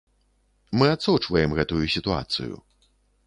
Мы адсочваем гэтую сітуацыю.